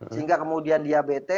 sehingga kemudian dia bete